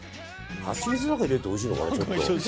ハチミツなんか入れるとおいしいのかな？